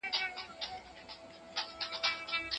د تور سره او زرغون بیرغ کفن به راته جوړ کې